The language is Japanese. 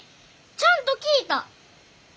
ちゃんと聞いた！